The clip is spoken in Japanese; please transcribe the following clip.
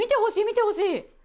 見てほしい。